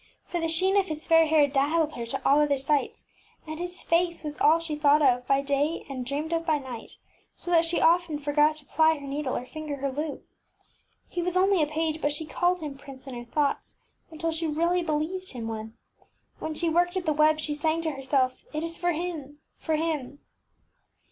For the sheen of his fair hair daz zled her to all other sights, and his face was all she thought of by day and Ufje Wzm Mleabrts dreamed of by night, so that she often forgot to ply her needle or finger her lute. He was only a page, but she called him prince in her thoughts until she really believed him one. When she worked at the web she sang to herself, ŌĆś It is for him ŌĆö for him